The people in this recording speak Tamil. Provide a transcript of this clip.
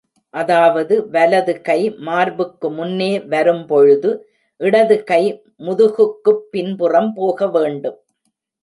அதாவது வலதுகை மார்புக்கு முன்னே வரும் பொழுது, இடது கை முதுகுக்குப் பின்புறம் போக வேண்டும்.